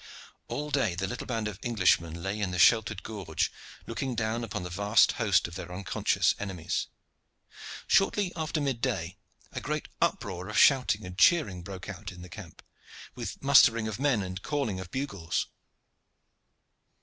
All day the little band of Englishmen lay in the sheltered gorge, looking down upon the vast host of their unconscious enemies. Shortly after mid day, a great uproar of shouting and cheering broke out in the camp, with mustering of men and calling of bugles.